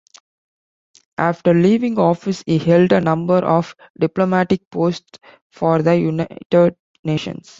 After leaving office, he held a number of diplomatic posts for the United Nations.